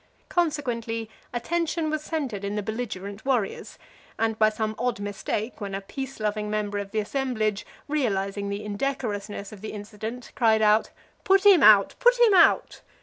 Consequently, attention was centred in the belligerent warriors, and, by some odd mistake, when a peace loving member of the assemblage, realizing the indecorousness of the incident, cried out, "Put him out! put him out!"